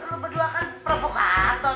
lo berdua kan provokator